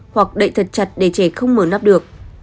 hoặc đậy thật chặt để trẻ không mở nắp được